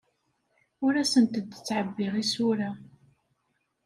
Ur asent-d-ttɛebbiɣ isura.